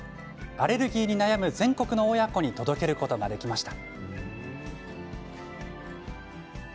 アレルギーに悩む全国の親子に届けることができました。